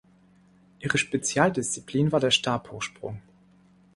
Ihre Spezialdisziplin war der Stabhochsprung.